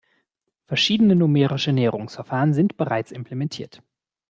Verschiedene numerische Näherungsverfahren sind bereits implementiert.